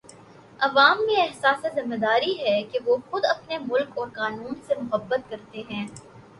عوام میں احساس ذمہ داری ہے وہ خود اپنے ملک اور قانون سے محبت کرتے ہیں